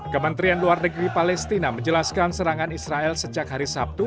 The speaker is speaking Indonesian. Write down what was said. kementerian luar negeri palestina menjelaskan serangan israel sejak hari sabtu